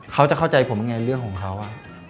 เขาจะเข้าใจผมไงเรื่องของเขา